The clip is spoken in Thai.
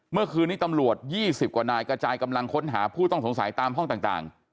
เมื่อคืนนี้ตำรวจ๒๐กว่านายกระจายกำลังค้นหาผู้ต้องสงสัยตามห้องต่าง